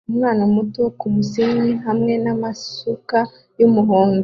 umwana muto kumusenyi hamwe namasuka yumuhondo